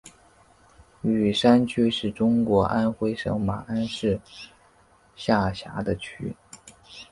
雨山区是中国安徽省马鞍山市下辖的区。